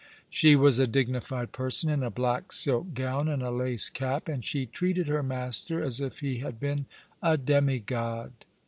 She was a dignified person, in a black silk gown and a lace cap, and she treated her master as if he had been a demi god.